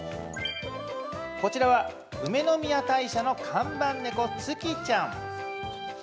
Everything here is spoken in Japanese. こちらは、梅宮大社の看板猫ツキちゃん。